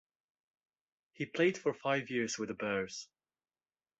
He played for five years with the Bears.